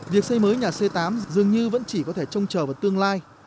việc xây mới nhà c tám dường như vẫn chỉ có thể trông chờ vào tương lai